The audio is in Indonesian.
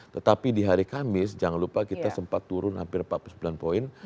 tetapi di hari kamis jangan lupa kita sempat turun hampir empat puluh sembilan poin